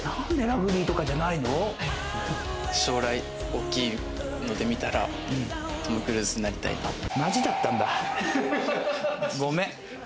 将来、大きい目で見たら、トム・クルーズになりたいなって。